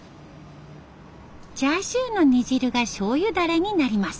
チャーシューの煮汁がしょうゆダレになります。